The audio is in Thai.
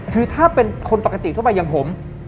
คือถ้าเป็นคนปกติทั่วไปอย่างผม